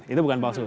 itu bukan palsu